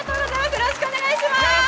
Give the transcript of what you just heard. よろしくお願いします！